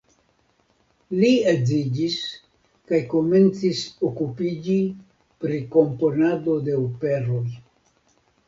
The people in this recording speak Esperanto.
Li edziĝis kaj komencis okupiĝi pri komponado de operoj.